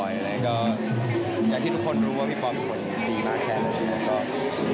อยากที่ทุกคนรู้ว่าพี่ปอเป็นคนดีมากแค่นั้น